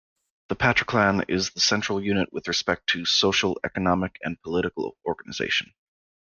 The patriclan is the central unit with respect to social, economic, and political organization.